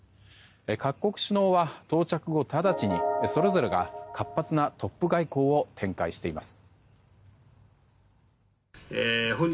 各国首脳は到着後ただちにそれぞれが活発なトップ外交を展開しています。